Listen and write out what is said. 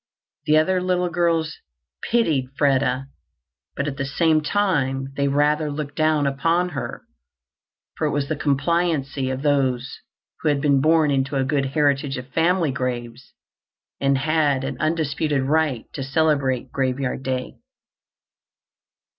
The other little girls pitied Freda, but at the same time they rather looked down upon her for it with the complacency of those who had been born into a good heritage of family graves and had an undisputed right to celebrate Graveyard Day.